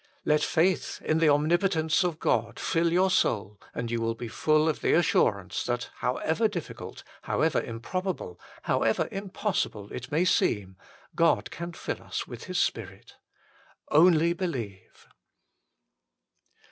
Let faith in the Omnipotence of God fill your soul and you will be full of the assurance that, however difficult, however improbable, however impossible it may seem, God can fill us with His Spirit. " Only believe."